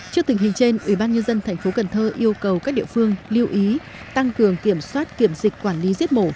trước tình hình trên ủy ban nhân dân thành phố cần thơ yêu cầu các địa phương lưu ý tăng cường kiểm soát kiểm dịch quản lý giết mổ